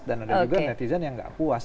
dan ada juga netizen yang tidak puas